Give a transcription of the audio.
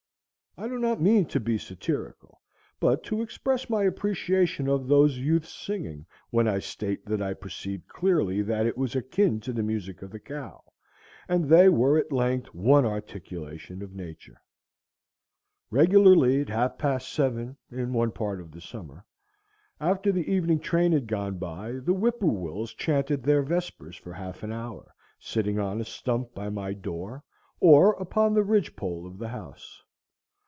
I do not mean to be satirical, but to express my appreciation of those youths' singing, when I state that I perceived clearly that it was akin to the music of the cow, and they were at length one articulation of Nature. Regularly at half past seven, in one part of the summer, after the evening train had gone by, the whippoorwills chanted their vespers for half an hour, sitting on a stump by my door, or upon the ridge pole of the house.